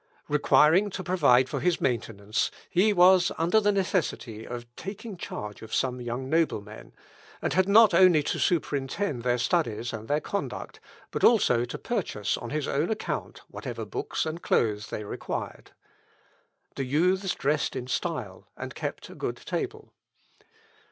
Requiring to provide for his maintenance, he was under the necessity of taking charge of some young noblemen, and had not only to superintend their studies and their conduct, but also to purchase on his own account whatever books and clothes they required. The youths dressed in style, and kept a good table.